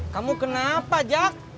kamu kenapa jack